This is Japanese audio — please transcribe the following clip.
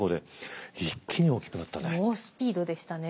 猛スピードでしたね。